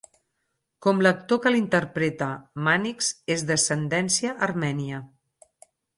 Com l'actor que l'interpreta, Mannix és d'ascendència Armènia.